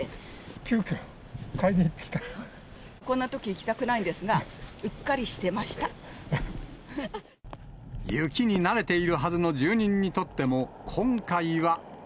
急きょ、こんなとき、行きたくないん雪に慣れているはずの住人にとっても、今回は。